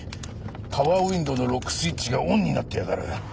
パワーウィンドーのロックスイッチがオンになってやがる！